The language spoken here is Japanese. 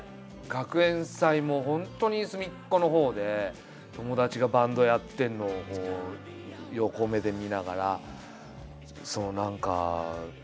学園祭も本当に隅っこのほうで友達がバンドやってるのを横目で見ながら何かかっこいいな！